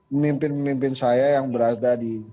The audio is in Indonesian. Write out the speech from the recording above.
pemimpin pemimpin saya yang berada di